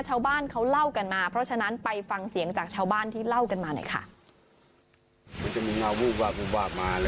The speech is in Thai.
ชาวบ้านเขาเล่ากันมาเพราะฉะนั้นไปฟังเสียงจากชาวบ้านที่เล่ากันมาหน่อยค่ะ